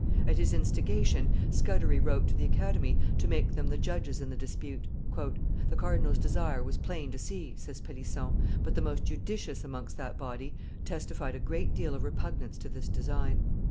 At his instigation, Scudery wrote to the Academy to make them the judges in the dispute. "The cardinal's desire was plain to see," says Pellisson; "but the most judicious amongst that body testified a great deal of repugnance to this design.